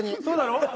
そうだろ？